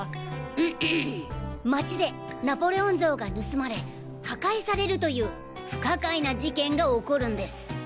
街でナポレオン像が盗まれ破壊されるという不可解な事件が起こるんです。